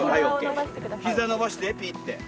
膝伸ばしてピッて。